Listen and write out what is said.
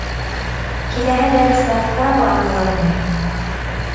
Киләһе дәрестә тағы ла һорармын